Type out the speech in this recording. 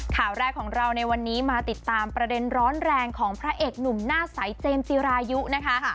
ข่าวแรกของเราในวันนี้มาติดตามประเด็นร้อนแรงของพระเอกหนุ่มหน้าใสเจมส์จีรายุนะคะ